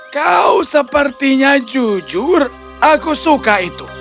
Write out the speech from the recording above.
kau sepertinya jujur aku suka itu